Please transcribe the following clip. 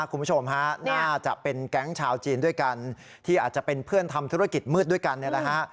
คุณผู้ชมฮะน่าจะเป็นแก๊งชาวจีนด้วยกันที่อาจจะเป็นเพื่อนทำธุรกิจมืดด้วยกันเนี่ยนะฮะ